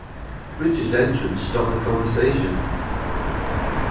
Richard's entrance stopped the conversation.